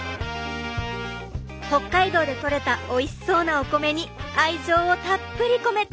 北海道でとれたおいしそうなお米に愛情をたっぷり込めて。